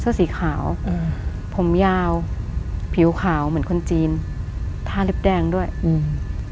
สีขาวอืมผมยาวผิวขาวเหมือนคนจีนท่าเล็บแดงด้วยอืม